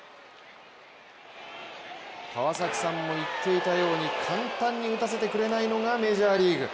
川崎さんも言っていたように簡単に打たせてくれないのがメジャーリーグ。